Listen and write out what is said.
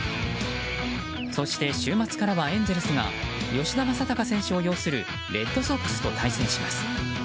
そして、週末からはエンゼルスが吉田正尚選手を擁するレッドソックスと対戦します。